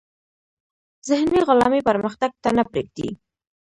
ذهني غلامي پرمختګ ته نه پریږدي.